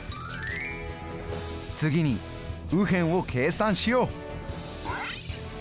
次に右辺を計算しよう。